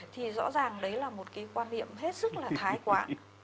thì rõ ràng đấy là một cái quan điểm hết sức là thái quã